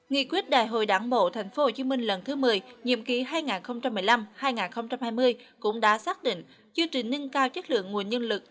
nghị quyết đại hội đảng bộ tp hcm lần thứ một mươi nhiệm ký hai nghìn một mươi năm hai nghìn hai mươi cũng đã xác định chương trình nâng cao chất lượng nguồn nhân lực